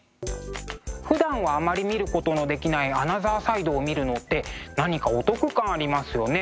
ふだんはあまり見ることのできないアナザーサイドを見るのって何かお得感ありますよね。